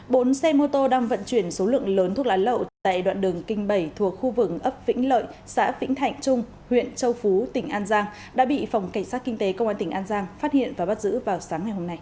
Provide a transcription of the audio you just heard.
bốn xe mô tô đang vận chuyển số lượng lớn thuốc lá lậu tại đoạn đường kinh bảy thuộc khu vực ấp vĩnh lợi xã vĩnh thạnh trung huyện châu phú tỉnh an giang đã bị phòng cảnh sát kinh tế công an tỉnh an giang phát hiện và bắt giữ vào sáng ngày hôm nay